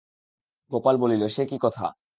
গোপাল বলিল, সে কী কথা!